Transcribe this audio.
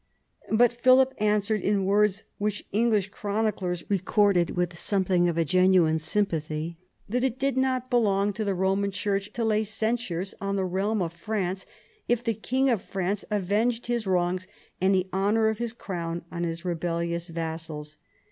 But Philip answered, in words which English chroniclers recorded with some thing of a genuine sympathy, that it did not belong to ii THE BEGINNINGS OF PHILIP'S POWER 43 the Eoman Church to lay censures on the realm of France if the king of France avenged his wrongs and the honour of his crown on his rebellious vassals.